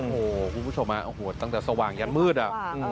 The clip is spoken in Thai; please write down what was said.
โหคุณผู้ชมตั้งแต่สว่างยันมืดอ่ะ